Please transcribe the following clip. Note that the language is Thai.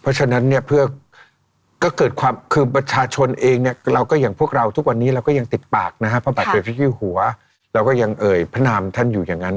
เพราะฉะนั้นเนี่ยเพื่อก็เกิดความคือประชาชนเองเนี่ยเราก็อย่างพวกเราทุกวันนี้เราก็ยังติดปากนะฮะพระบาทเกิดพระเจ้าอยู่หัวเราก็ยังเอ่ยพระนามท่านอยู่อย่างนั้น